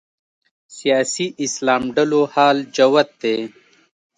سیاسي اسلام ډلو حال جوت دی